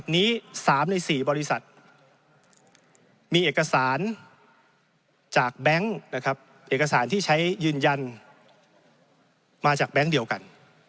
๓ใน๔บริษัทมีเอกสารที่ใช้ยืนยันมาจากแบงค์เดียวกัน